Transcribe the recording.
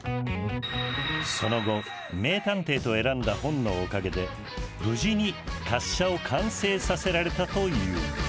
その後名探偵と選んだ本のおかげで無事に滑車を完成させられたという。